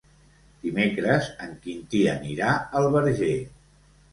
Dimecres en Quintí anirà al Verger.